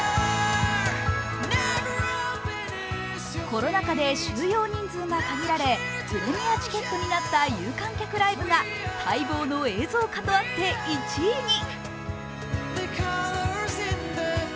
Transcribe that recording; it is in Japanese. コロナ禍で収容人数が限られ、プレミアチケットになった有観客ライブが待望の映像化とあって１位に。